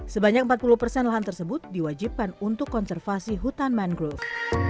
sebanyak empat puluh persen lahan tersebut diwajibkan untuk konservasi hutan mangrove